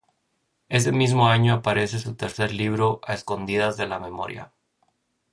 Ese mismo año aparece su tercer libro A escondidas de la memoria.